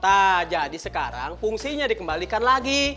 nah jadi sekarang fungsinya dikembalikan lagi